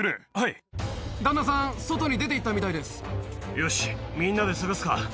よしみんなで探すか。